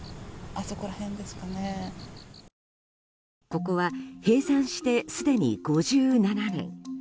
ここは閉山してすでに５７年。